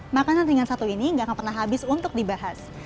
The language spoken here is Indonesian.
makanan ringan satu ini gak akan pernah habis untuk dibahas